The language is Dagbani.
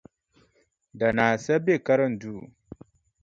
Danaa sa be karinduu.